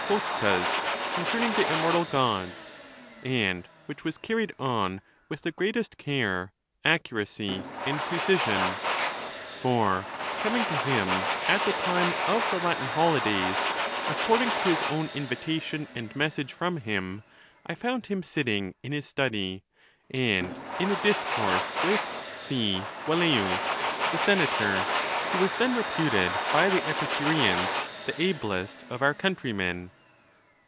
Cotta's concerning the immortal Gods, and which was carried on with the greatest care, accuracy, and precision ; for coming to him at the time of the Latin holidays,' according to his own invitation and message from him, I found hiitj sitting in his study," and in a dis course with C. Velleius, the senator, who was then reputed by the Epicureans the ablest of our countrymen.